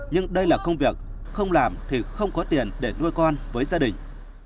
nhưng đây là công việc không làm thì không có tiền để nuôi con với gia đình